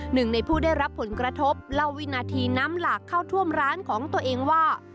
หนึ่งในผู้ได้รับผลกระทบเล่าวินาทีน้ำหลากเข้าท่วมร้านของตัวเองว่า